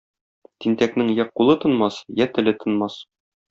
Тинтәкнең йә кулы тынмас, йә теле тынмас.